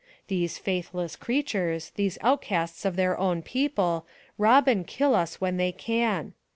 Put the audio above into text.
These faithless creatures, the outcasts of their own people, rob and kill us when they can.